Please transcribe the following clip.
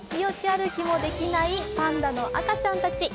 歩きもできないパンダの赤ちゃんたち。